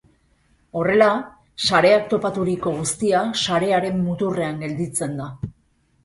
Horrela, sareak topaturiko guztia sarearen muturrean gelditzen da.